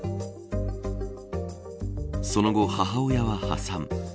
その後、母親は破産。